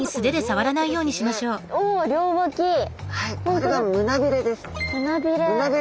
これが胸びれです。